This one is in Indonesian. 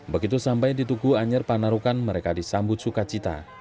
begitu sampai ditugu anyer panarukan mereka disambut suka cita